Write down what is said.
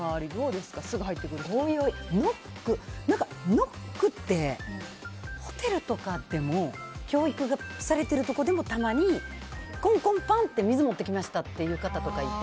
ノックってホテルとか教育がされてるところでもたまにコンコン、パンって水持ってきましたっていう人もいて。